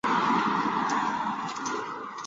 秦军护送夷吾回国即位。